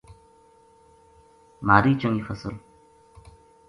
مھاری چنگی فصل